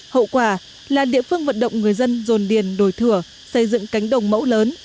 hậu quả là địa phương vận động người dân dồn điền đổi thửa xây dựng cánh đồng mẫu lớn